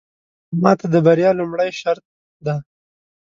ماته د بريا لومړې شرط دی.